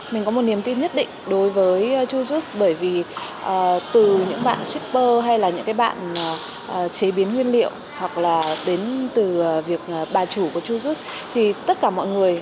mình có một niềm tin nhất định đối với jose bởi vì từ những bạn shipper hay là những cái bạn chế biến nguyên liệu hoặc là đến từ việc bà chủ của chujut thì tất cả mọi người